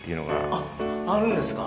あっあるんですか。